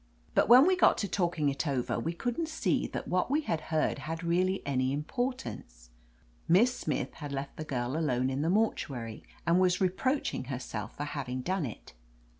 But when we got to talking it over we couldn't see that what we had heard had really any importance. Miss Smith had left the girl alone in the mortuary, and was reproaching herself for having done it.